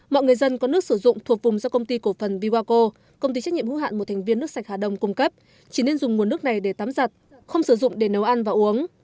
mọi người dân có nước sử dụng thuộc vùng do công ty cổ phần viwako công ty trách nhiệm hữu hạn một thành viên nước sạch hà đông cung cấp chỉ nên dùng nguồn nước này để tắm giặt không sử dụng để nấu ăn và uống